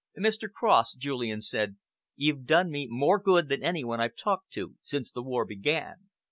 "Mr. Cross," Julian said, "you've done me more good than any one I've talked to since the war began."